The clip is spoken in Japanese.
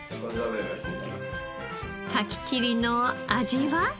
カキチリの味は？